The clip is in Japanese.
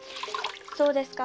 そうですか。